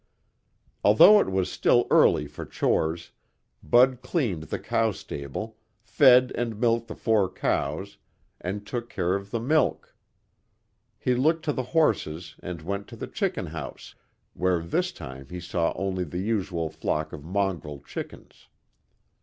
Although it was still early for chores, Bud cleaned the cow stable, fed and milked the four cows and took care of the milk. He looked to the horses and went to the chicken house, where this time he saw only the usual flock of mongrel chickens.